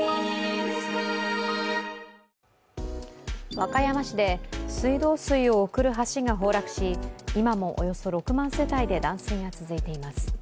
和歌山市で水道水を送る橋が崩落し今もおよそ６万世帯で断水が続いています。